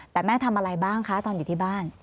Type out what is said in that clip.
แต่แม่ทำอะไรบ้างคะตอนอยู่ที่บ้าน